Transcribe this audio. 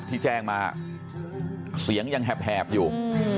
ที่แจ้งมาเสียงยังแหบอยู่